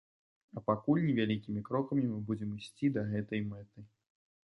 А пакуль невялікімі крокамі мы будзем ісці да гэтай мэты.